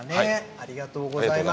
ありがとうございます。